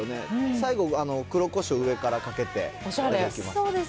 最後、黒こしょう上からかけて頂きます。